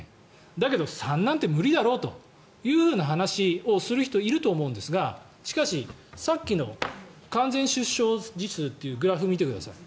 だけど、３なんて無理だろという話をする人がいると思うんですがしかし、さっきの完結出生児数というグラフを見てください。